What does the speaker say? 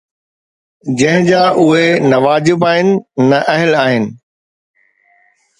جنهن جا اهي نه واجب آهن ۽ نه اهل آهن